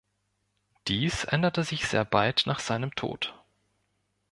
Dies änderte sich sehr bald nach seinem Tod.